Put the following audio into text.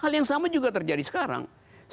hal yang sama juga terjadi sekarang